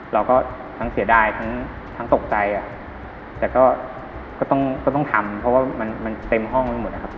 เราก็ทั้งเสียดายทั้งตกใจแต่ก็ต้องทำเพราะว่ามันเต็มห้องไปหมดนะครับ